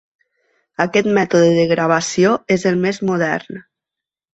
Aquest mètode de gravació és el més modern.